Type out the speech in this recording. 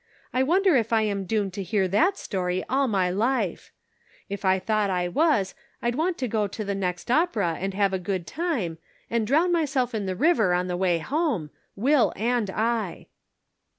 I wonder if I am doomed to hear that story all my life ! If I thought I was I'd want to go to the next opera and have a good time, and drown myself in the river on the way home, Will and I."